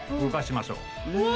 うわ！